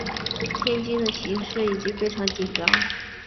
天津形势已经非常紧张。